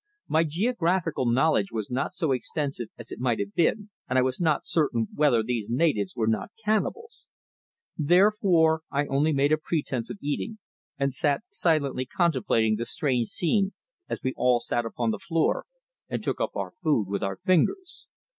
My geographical knowledge was not so extensive as it might have been, and I was not certain whether these natives were not cannibals. Therefore I only made a pretence of eating, and sat silently contemplating the strange scene as we all sat upon the floor and took up our food with our fingers.